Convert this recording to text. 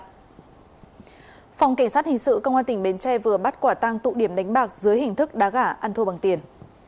phòng cảnh sát hình sự công an tỉnh bến tre vừa bắt quả tăng tụ điểm đánh bạc dưới hình thức đá gà ăn thua bằng tiền